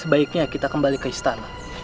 sebaiknya kita kembali ke istana